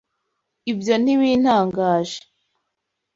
Ibyo ntibintangaje. (